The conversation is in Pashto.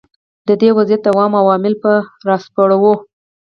د دې وضعیت دوام او عوامل به را وسپړو.